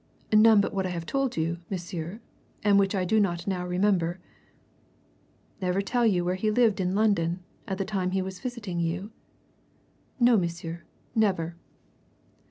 "None but what I have told you, monsieur and which I do not now remember." "Ever tell you where he lived in London at the time he was visiting you?" "No, monsieur never."